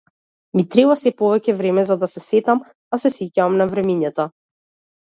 Ми треба сѐ повеќе време за да се сетам, а се сеќавам на времињата.